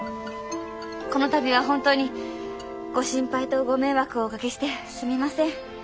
この度は本当にご心配とご迷惑をおかけしてすみません。